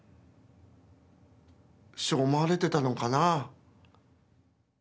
師匠思われてたのかなあ。